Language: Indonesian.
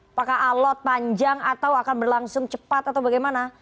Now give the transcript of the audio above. apakah alot panjang atau akan berlangsung cepat atau bagaimana